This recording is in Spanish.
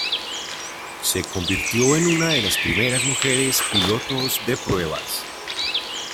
Se convirtió en una de las primeras mujeres pilotos de pruebas.